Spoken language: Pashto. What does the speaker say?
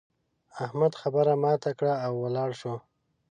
احمد خبره ماته کړه او ولاړ شو.